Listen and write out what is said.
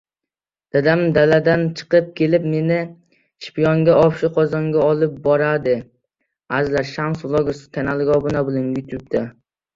Dadam daladan chiqib kelib, meni shiyponga - obshi qozonga olib boradi.